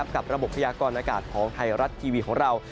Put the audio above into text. กับระบบพยากรณากาศของไทยรัฐทีวีของเรา